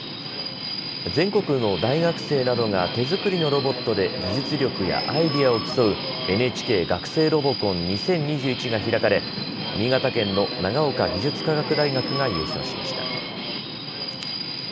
全国の大学生などが手作りのロボットで技術力やアイデアを競うＮＨＫ学生ロボコン２０２１が開かれ新潟県の長岡技術科学大学が優勝しました。